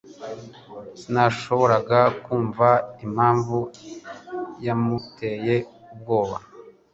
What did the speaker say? Sinashoboraga kumva impamvu yamuteye ubwoba